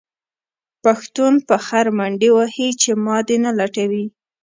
پښتون په خر منډې وهې چې ما دې نه لټوي.